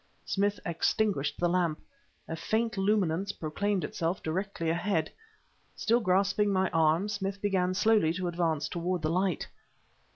Smith extinguished the lamp. A faint luminance proclaimed itself directly ahead. Still grasping my arm, Smith began slowly to advance toward the light.